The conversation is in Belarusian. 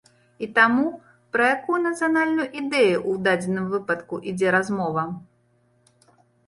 І таму пра якую нацыянальную ідэю ў дадзеным выпадку ідзе размова?